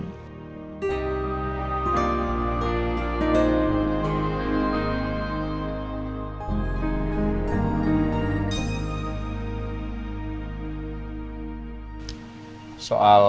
tentang mbak bella